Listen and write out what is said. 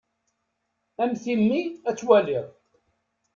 A mm timmi ad twaliḍ.